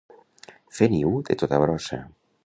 Fer niu de tota brossa.